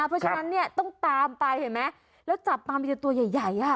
เพราะฉะนั้นเนี่ยต้องตามไปเห็นไหมแล้วจับปลามันจะตัวใหญ่อ่ะ